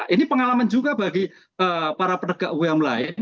ini pengalaman juga bagi para penegak hukum yang lain